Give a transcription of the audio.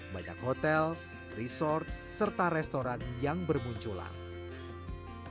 banyak hotel resort serta restoran yang bermunculan